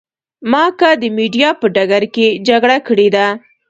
ما که د مېډیا په ډګر کې جګړه کړې ده.